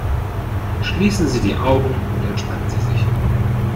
Schließen Sie die Augen und entspannen Sie sich!